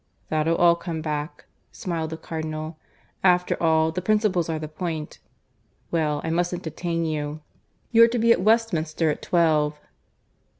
"That'll all come back," smiled the Cardinal. "After all, the principles are the point. Well, I mustn't detain you. You're to be at Westminster at twelve."